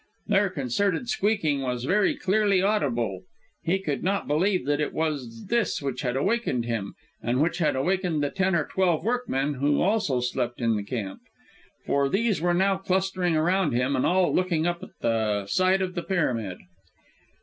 Their concerted squeaking was very clearly audible. He could not believe that it was this which had awakened him, and which had awakened the ten or twelve workmen who also slept in the camp, for these were now clustering around him, and all looking up at the side of the pyramid.